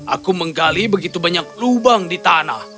aku menggali begitu banyak lubang di tanah